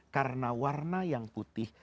karena warna yang putih